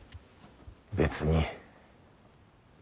別に。